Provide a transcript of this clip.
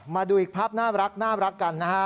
มาดูอีกภาพน่ารักกันนะฮะ